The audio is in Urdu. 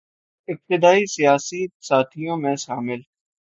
ابتدائی سیاسی ساتھیوں میں شامل